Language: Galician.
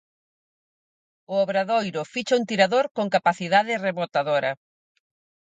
O Obradoiro ficha un tirador con capacidade rebotadora.